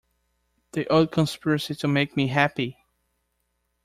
The old conspiracy to make me happy!